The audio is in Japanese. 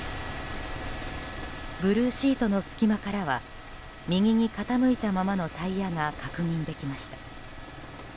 ブルーシートの隙間からは右に傾いたままのタイヤが確認できました。